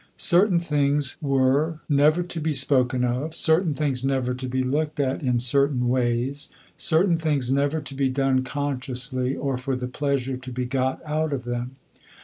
Certain things were never to be spoken of, certain things never to be looked at in certain ways, certain things never to be done consciously, or for the pleasure to be got out of them.